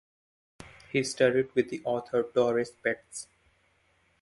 He studied with the author Doris Betts.